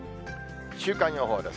週間予報です。